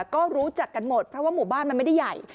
ก็รู้จักกันหมดเพราะว่าหมู่บ้านมันไม่ได้ใหญ่